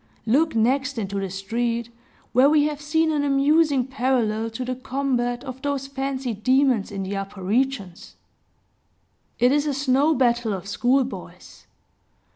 Look next into the street, where we have seen an amusing parallel to the combat of those fancied demons in the upper regions. It is a snow battle of school boys.